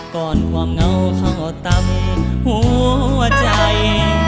ก่อนความเหงาเข้าตำหัวใจ